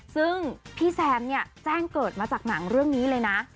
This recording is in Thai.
ซึ่งพี่แซมเนี่ยแจ้งเกิดมาจากหนังเรื่องนี้เลยนะ